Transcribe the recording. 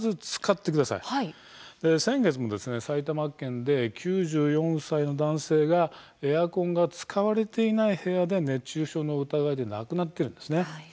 先月も埼玉県で９４歳の男性がエアコンが使われていない部屋で熱中症の疑いで亡くなっているんですね。